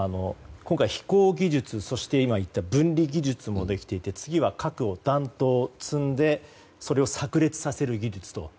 今回、飛行技術そして分離技術もできていて次は核を弾頭に積んでそれを炸裂させる技術と。